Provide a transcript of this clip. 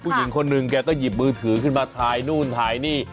ผู้หญิงคนหนึ่งแกก็หยิบมือถือขึ้นมาถ่ายนู่นถ่ายนี่